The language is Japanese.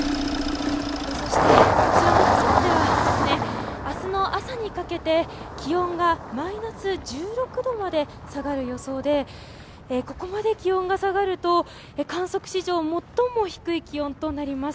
そして、こちらの草津では明日の朝にかけて気温がマイナス１６度まで下がる予想でここまで気温が下がると観測史上最も低い気温となります。